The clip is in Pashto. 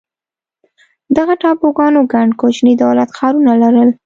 دغه ټاپوګانو ګڼ کوچني دولت ښارونه لرل.